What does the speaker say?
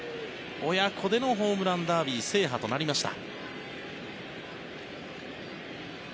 親子でのホームランダービー制覇となりました。